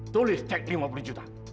tulis cek lima puluh juta